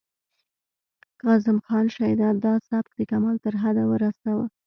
کاظم خان شیدا دا سبک د کمال تر حده ورساوه